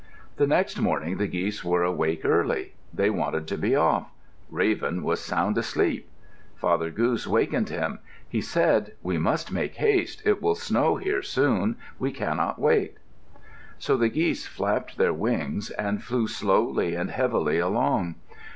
The next morning the geese were awake early. They wanted to be off. Raven was sound asleep. Father Goose wakened him. He said, "We must make haste. It will snow here soon. We cannot wait." So the geese flapped their wings and flew slowly and heavily along.